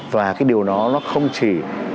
và cái điều đó nó không chỉ